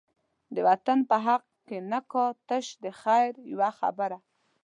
د وطن په حق کی نه کا، تش د خیر یوه خبره